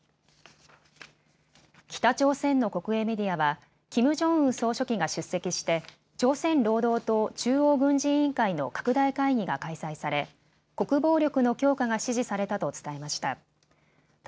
北朝鮮の国営メディアはキム・ジョンウン総書記が出席して朝鮮労働党中央軍事委員会の拡大会議が開催され国防力の強化が指示されたと伝えました。